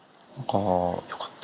よかった。